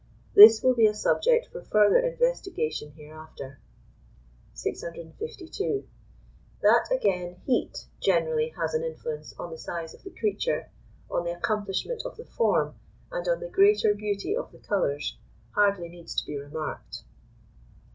This will be a subject for further investigation hereafter. 652. That, again, heat generally has an influence on the size of the creature, on the accomplishment of the form, and on the greater beauty of the colours, hardly needs to be remarked.